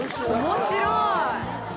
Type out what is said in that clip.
面白い。